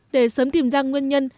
để sớm tìm ra nguyên nhân